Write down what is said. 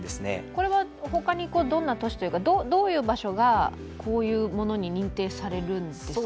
これはほかにどんな都市というか、どういう場所がこういうものに認定されるんですか？